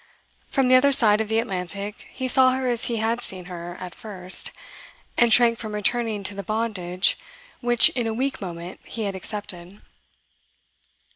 From the other side of the Atlantic he saw her as he had seen her at first, and shrank from returning to the bondage which in a weak moment he had accepted.